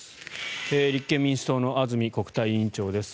立憲民主党の安住国対委員長です